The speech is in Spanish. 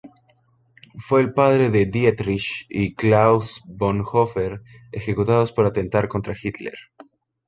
Fue el padre de Dietrich y Klaus Bonhoeffer, ejecutados por atentar contra Hitler.